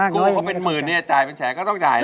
กู้เขาเป็นหมื่นเนี่ยจ่ายเป็นแสนก็ต้องจ่าย